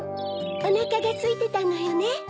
おなかがすいてたのよね？